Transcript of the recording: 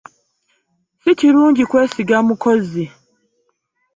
Sikirungi kwesiga mukozi.